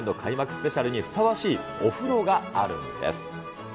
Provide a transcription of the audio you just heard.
スペシャルにふさわしいお風呂があるんです。